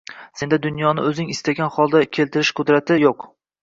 Senda dunyoni oʻzing istagan holga keltirish qudrati yoʻq